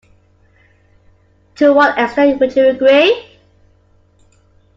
To what extent would you agree?